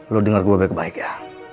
lo dengar gue baik baik ya